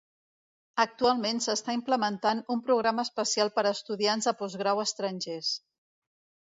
Actualment s'està implementant un programa especial per a estudiants de postgrau estrangers.